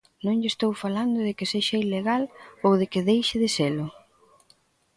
Non lle estou falando de que sexa ilegal ou de que deixe de selo.